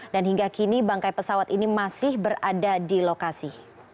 dan hingga kini bangkai pesawat ini masih berada di lokasi